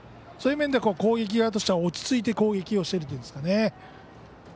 そういう面では攻撃側としては落ち着いて攻撃をしていますね。